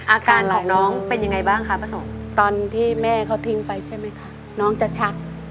อาการของน้องเป็นยังไงบ้างคะประสงค์ตอนที่แม่เขาทิ้งไปใช่ไหมคะน้องจะชัก